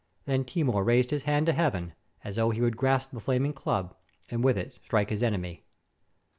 Then Timur raised his hand to heaven, as though he would grasp the flaming club, and with it strike his enemy.